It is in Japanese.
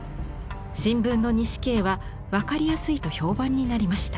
新聞の錦絵は分かりやすいと評判になりました。